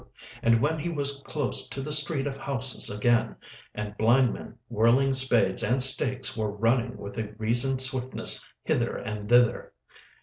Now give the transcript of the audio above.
And then he was close to the street of houses again, and blind men, whirling spades and stakes, were running with a reasoned swiftness hither and thither.